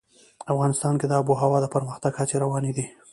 افغانستان کې د آب وهوا د پرمختګ هڅې روانې دي.